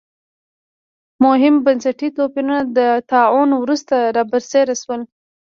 مهم بنسټي توپیرونه د طاعون وروسته را برسېره شول.